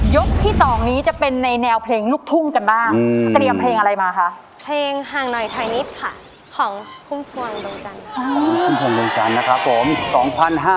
ยกที่๒นี้จะเป็นแนวเพลงลูกทุ่งกันบ้าง